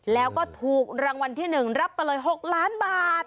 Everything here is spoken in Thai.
แล้วก็ถูกรางวัลที่๑รับไปเลย๖ล้านบาท